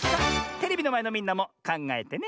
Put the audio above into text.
テレビのまえのみんなもかんがえてね。